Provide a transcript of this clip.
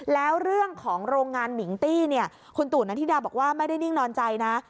แล้วเรื่องของโรงงานมิงตี้เนี่ยคุณตู่นาธิดาบอกว่าไม่ได้นิ่งนอนใจนะ